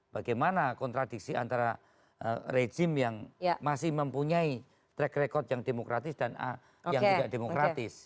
bagaimana kontradiksi antara rejim yang masih mempunyai track record yang demokratis dan yang tidak demokratis